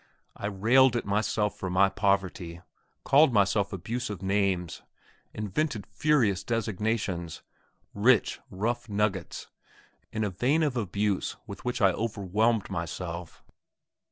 I railed at myself for my poverty, called myself abusive names, invented furious designations rich, rough nuggets in a vein of abuse with which I overwhelmed myself.